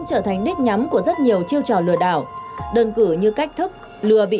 cô đi có rất nhiều lần bị rồi